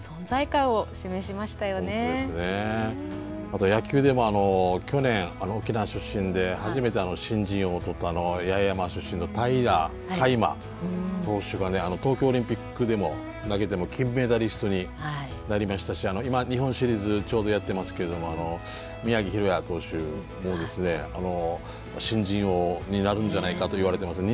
また野球でも去年沖縄出身で初めて新人王を取った八重山出身の平良海馬投手が東京オリンピックでも投げて金メダリストになりましたし今日本シリーズちょうどやってますけども宮城大弥投手も新人王になるんじゃないかといわれてます。